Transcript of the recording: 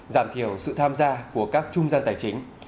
giảm thiểu sự tham gia của các trung gian tài chính